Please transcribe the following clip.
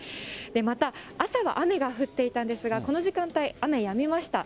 また、朝は雨が降っていたんですが、この時間帯、雨、やみました。